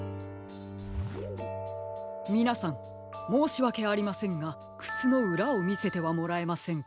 みなさんもうしわけありませんがくつのうらをみせてはもらえませんか？